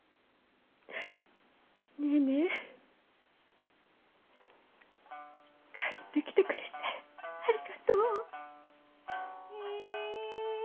ネーネー帰ってきてくれてありがとう。